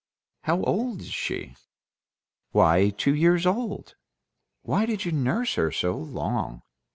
"How old is she?" "Why, two years old." "Why did you nurse her so long?"